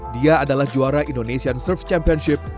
dia adalah juara indonesian surf championship